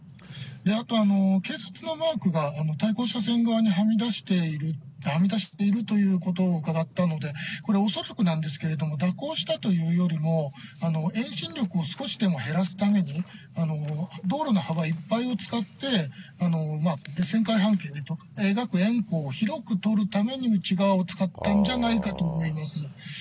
あと、警察のマークが対向車線側にはみ出しているということを伺ったので、これ、恐らくなんですけれども、蛇行したというよりも、遠心力を少しでも減らすために、道路の幅いっぱいを使って、描く円弧を広く取るために内側を使ったんじゃないかと思います。